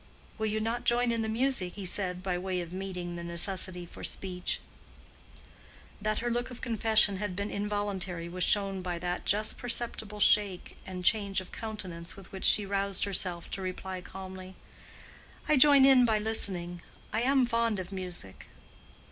"Will you not join in the music?" he said, by way of meeting the necessity for speech. That her look of confession had been involuntary was shown by that just perceptible shake and change of countenance with which she roused herself to reply calmly, "I join in it by listening. I am fond of music."